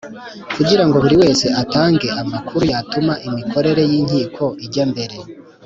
kugira ngo buri wese atange amakuru yatuma imikorere y'inkiko ijya mbere.